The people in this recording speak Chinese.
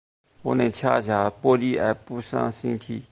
我能吞下玻璃而不伤身体